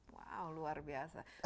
wow luar biasa